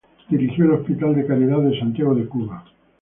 Dirigió el Hospital de Caridad de Santiago de Cuba.